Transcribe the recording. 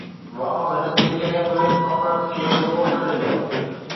واءُ هن جي ڪنهن به ڪالر کي زور نه ڏنو